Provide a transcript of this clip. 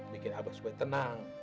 bikin abah supaya tenang